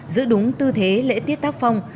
giữ đúng tư thế lễ tiết tác phong